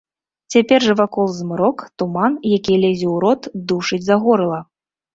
Цяпер жа вакол змрок, туман, які лезе ў рот, душыць за горла.